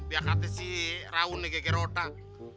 biar kata si raun nih gg rotak